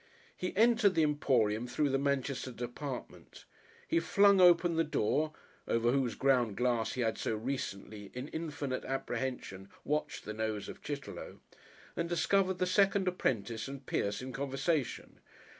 He entered the Emporium through the Manchester department. He flung open the door (over whose ground glass he had so recently, in infinite apprehension, watched the nose of Chitterlow) and discovered the second apprentice and Pierce in conversation.